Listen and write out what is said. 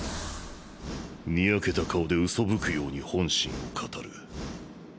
ニヤけた顔でうそぶくように本心を語る